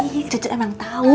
iya ce ce emang tahu